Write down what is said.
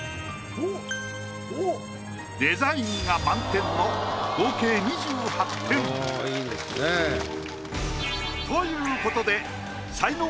デザインが満点の合計２８点。ということで。